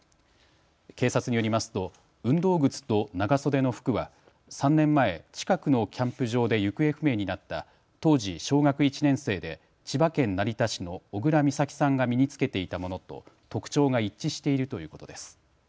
警察によりますと運動靴と長袖の服は３年前、近くのキャンプ場で行方不明になった当時小学１年生で千葉県成田市の小倉美咲さんが身に着けていたものと特徴が一致しているということです。